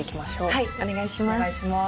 はいお願いします。